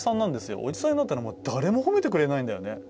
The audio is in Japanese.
おじさんになったらもう誰も褒めてくれないんだよね。